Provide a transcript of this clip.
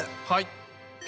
はい。